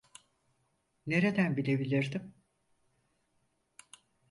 Nereden bilebilirdim?